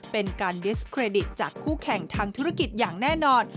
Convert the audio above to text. เป็นการดิสเครดิตจากคู่แข่งทางธุรกิจอย่างแน่นอน